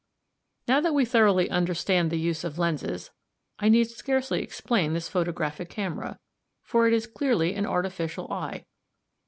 ] "Now that we thoroughly understand the use of lenses, I need scarcely explain this photographic camera (Fig. 19), for it is clearly an artificial eye.